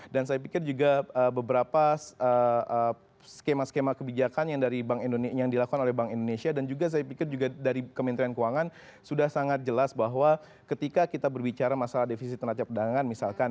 saya pikir juga beberapa skema skema kebijakan yang dilakukan oleh bank indonesia dan juga saya pikir juga dari kementerian keuangan sudah sangat jelas bahwa ketika kita berbicara masalah defisit tenaga misalkan